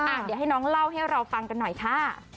เดี๋ยวให้น้องเล่าให้เราฟังกันหน่อยค่ะ